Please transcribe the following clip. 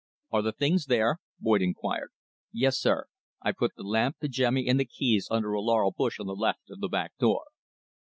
"Are the things there?" Boyd inquired. "Yes, sir. I've put the lamp, the jemmy and the keys under a laurel bush on the left of the back door."